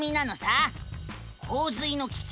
「洪水の危機！